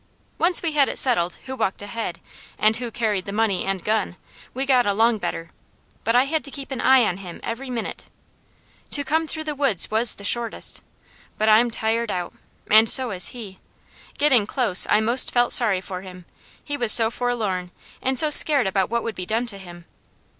Once we had it settled who walked ahead, and who carried the money and gun, we got along better, but I had to keep an eye on him every minute. To come through the woods was the shortest, but I'm tired out, and so is he. Getting close I most felt sorry for him, he was so forlorn, and so scared about what would be done to him.